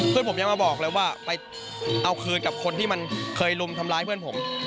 เพื่อนผมยังมาบอกเลยว่าไปเอาคืนกับคนที่มันเคยรุมทำร้ายเพื่อนผม